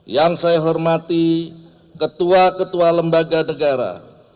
yang saya hormati ketua ketua lembaga negara